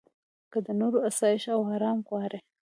که د نورو اسایش او ارام غواړې.